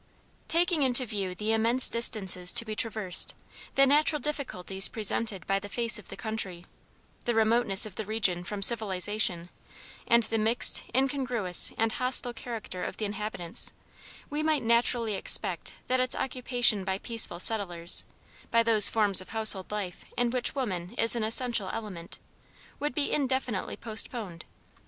Taking into view the immense distances to be traversed, the natural difficulties presented by the face of the country, the remoteness of the region from civilization, and the mixed, incongruous and hostile character of the inhabitants, we might naturally expect that its occupation by peaceful settlers, by those forms of household life in which woman is an essential element would be indefinitely postponed.